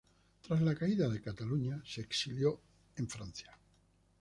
Tras la caída de Cataluña se exilió en Francia.